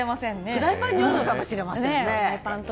フライパンによるのかもしれませんね！